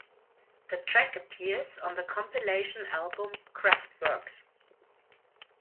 The track appears on the compilation album "Kraftworks".